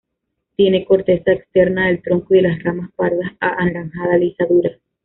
Tiene corteza externa del tronco y de las ramas parda a anaranjada, lisa, dura.